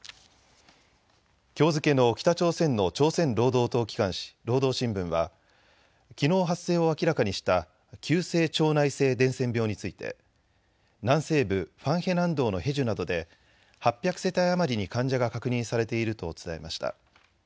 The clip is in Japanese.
きょう付けの北朝鮮の朝鮮労働党機関紙、労働新聞はきのう発生を明らかにした急性腸内性伝染病について南西部ファンヘ南道のヘジュなどで８００世帯余りに患者が確認されていると伝えました。